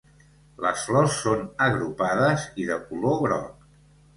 Les flors són agrupades i de color groc.